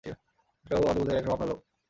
ছোটবাবু আমাদের বলতে গেলে একরকম আপনার লোক।